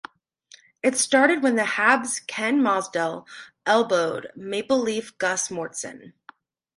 It started when the Habs' Ken Mosdell elbowed Maple Leaf Gus Mortson.